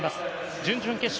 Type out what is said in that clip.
準々決勝